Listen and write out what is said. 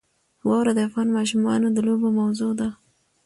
واوره د افغان ماشومانو د لوبو موضوع ده.